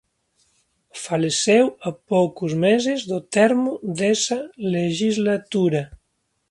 Faleceu a poucos meses do termo desa lexislatura.